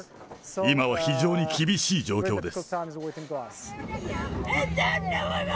今は非常に厳しい状況です。